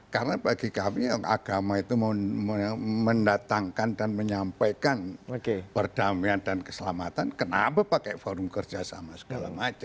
karena bagi kami agama itu mendatangkan dan menyampaikan perdamaian dan keselamatan kenapa pakai forum kerja sama segala macam